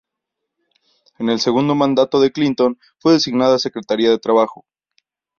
En el segundo mandato de Clinton fue designada Secretaria de Trabajo.